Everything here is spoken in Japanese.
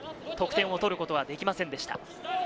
得点を取ることはできませんでした。